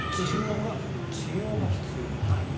治療が必要。